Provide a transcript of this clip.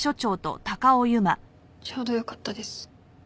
ちょうどよかったです。